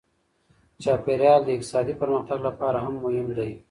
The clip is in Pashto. چاپیریال د اقتصادي پرمختګ لپاره هم مهم دی.